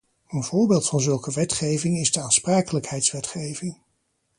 Een voorbeeld van zulke wetgeving is de aansprakelijkheidswetgeving.